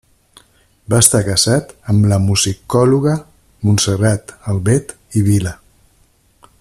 Va estar casat amb la musicòloga Montserrat Albet i Vila.